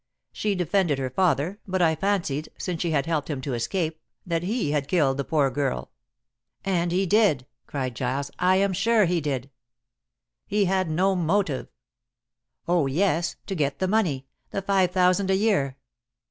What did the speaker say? She defended her father, but I fancied, since she had helped him to escape, that he had killed the poor girl." "And he did," cried Giles. "I am sure he did." "He had no motive." "Oh yes, to get the money the five thousand a year."